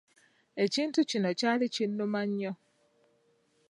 Ekintu kino kyali kinnuma nnyo.